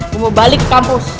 mau balik ke kampus